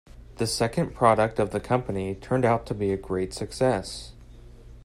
The second product of the company turned out to be a great success.